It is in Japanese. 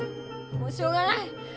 もうしょうがない。